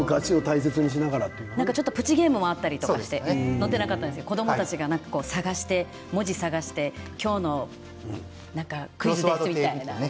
プチゲームもあったりしてのっていなかったんですけど子どもたちが文字を探して今日のクイズですみたいな。